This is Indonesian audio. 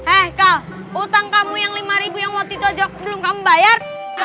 eh kau utang kamu yang lima ribu yang waktu itu ajak belum kamu bayar